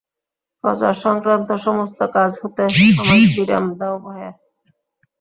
প্রচার-সংক্রান্ত সমস্ত কাজ হতে আমায় বিরাম দাও, ভায়া।